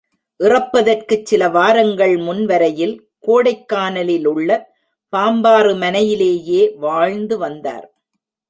இறப்பதற்குச் சிலவாரங்கள் முன் வரையில் கோடைக்கானலிலுள்ள பாம்பாறு மனை யிலேயே வாழ்ந்து வந்தார்.